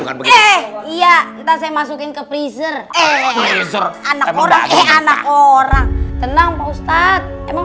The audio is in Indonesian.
enggak begitu iya tak saya masukin ke freezer eh anak orang anak orang tenang ustadz emang